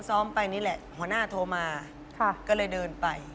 ซ้อมไปนี่แหละหัวหน้าโทรมาก็เลยเดินไป